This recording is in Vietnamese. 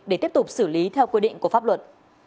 để tiếp tục xử lý theo quy định của pháp luật